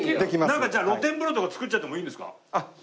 なんかじゃあ露天風呂とか造っちゃってもいいんですか？